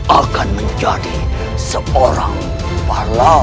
akan menjadi seorang pahlawan